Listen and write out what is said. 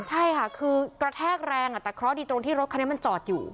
ใช่ค่ะคือกระแทกแรงแต่เคราะห์ดีตรงที่รถคันนี้มันจอดอยู่